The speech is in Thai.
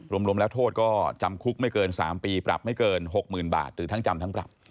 รวมแล้วโทษก็จำคุกไม่เกิน๓ปีปรับไม่เกิน๖๐๐๐บาทหรือทั้งจำทั้งปรับ